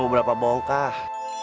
lu berapa bongkah